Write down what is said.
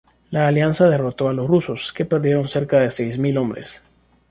La alianza derrotó a los rusos, que perdieron cerca de seis mil hombres.